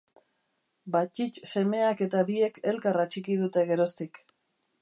Battitt semeak eta biek elkar atxiki dute geroztik.